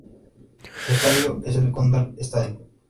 Su estadio es el Gondar Stadium.